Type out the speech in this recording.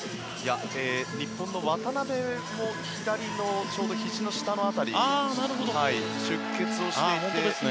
日本の渡邊左のちょうど、ひじの辺り出欠をしていて。